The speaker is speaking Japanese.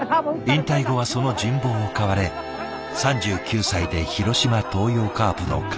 引退後はその人望を買われ３９歳で広島東洋カープの監督に。